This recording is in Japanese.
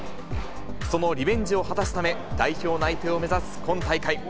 そのリベンジを果たすため代表内定を目指す今大会。